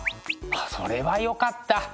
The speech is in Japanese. それはよかった。